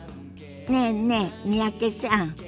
ねえねえ三宅さん。